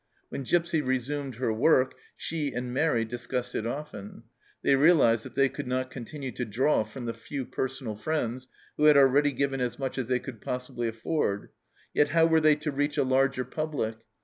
When Gipsy resumed her work she and Mairi discussed it often. They realized that they could not continue to draw from the few personal friends, who had already given as much as they could possibly afford, yet how were they to reach a larger public